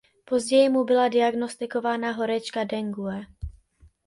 Pozdější mu byla diagnostikována horečka dengue.